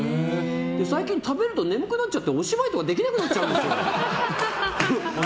最近、食べると眠くなっちゃってお芝居とかできなくなるんですよ。